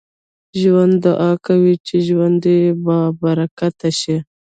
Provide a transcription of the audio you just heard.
ژوندي دعا کوي چې ژوند يې بابرکته شي